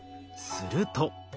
すると。